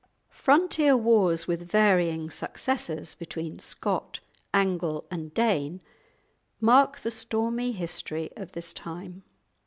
Frontier wars with varying successes between Scot, Angle, and Dane mark the stormy history of this time.